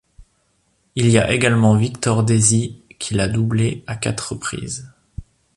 Il y a également Victor Désy qui l'a doublé à quatre reprises.